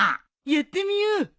やってみよう。